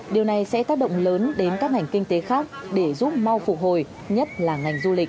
điều này sẽ tác động lớn đến các ngành kinh tế khác để giúp mau phục hồi nhất là ngành du lịch